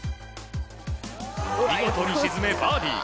見事に沈め、バーディー。